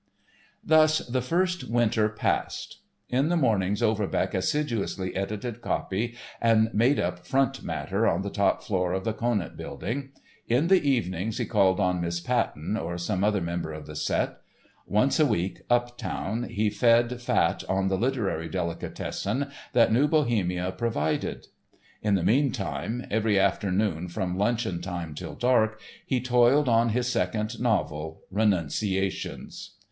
Thus the first Winter passed. In the mornings Overbeck assiduously edited copy and made up front matter on the top floor of the Conant building. In the evenings he called on Miss Patten, or some other member of the set. Once a week, up town, he fed fat on the literary delicatessen that New Bohemia provided. In the meantime, every afternoon, from luncheon time till dark, he toiled on his second novel, "Renunciations."